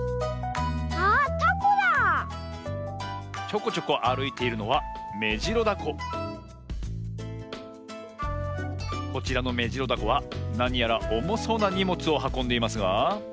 ちょこちょこあるいているのはこちらのメジロダコはなにやらおもそうなにもつをはこんでいますが。